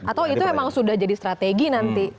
atau itu memang sudah jadi strategi nanti